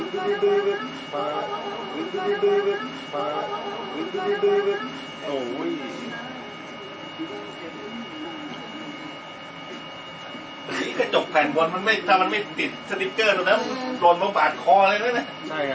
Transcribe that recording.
เก้าจกแผ่นบนถ้ามันไม่ติดสติพเกอร์เรารนมาปากคอดเลยนะ